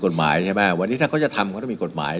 กฎหมายใช่ไหมวันนี้ถ้าเขาจะทำเขาต้องมีกฎหมาย